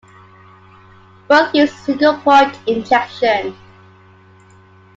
Both used single point injection.